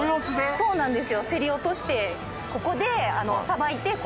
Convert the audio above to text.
そうなんです